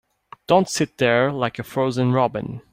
Don't sit there like a frozen robin.